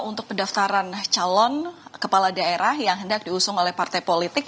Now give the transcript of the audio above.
untuk pendaftaran calon kepala daerah yang hendak diusung oleh partai politik